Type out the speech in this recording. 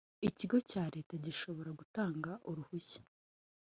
Ikigo cya Leta gishobora gutanga uruhushya